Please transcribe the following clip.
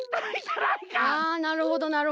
あなるほどなるほど。